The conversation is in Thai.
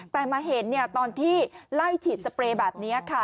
แต่มาเห็นตอนที่ไล่ฉีดสเปรย์แบบนี้ค่ะ